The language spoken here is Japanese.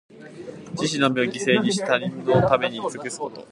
自分の身を犠牲にして、他人のために尽くすこと。